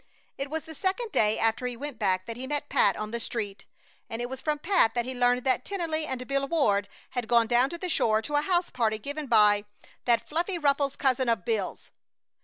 It was the second day after he went back that he met Pat on the street, and it was from Pat that he learned that Tennelly and Bill Ward had gone down to the shore to a house party given by "that fluffy ruffles cousin of Bill's."